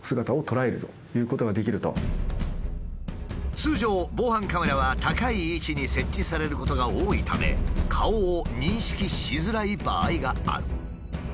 通常防犯カメラは高い位置に設置されることが多いため顔を認識しづらい場合がある。